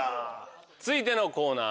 続いてのコーナー